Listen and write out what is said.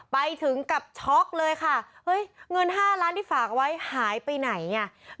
ไปถึงกับช็อกเลยค่ะเฮ้ยเงิน๕ล้านที่ฝากไว้หายไปไหนอ่ะ